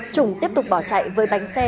trùng tiếp tục bỏ chạy với bánh xe